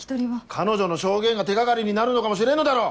彼女の証言が手掛かりになるのかもしれんのだろ。